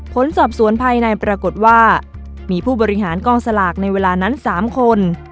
ผลสอบสวนภายในปรากฏว่ามีผู้บริหารกองสลากในเวลานั้น๓คน